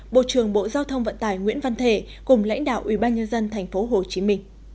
bộ trưởng bộ giao thông vận tài nguyễn văn thể cùng lãnh đạo ủy ban nhân dân tp hcm